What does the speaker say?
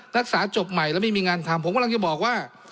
จบใหม่แล้วไม่มีงานทำผมกำลังจะบอกว่า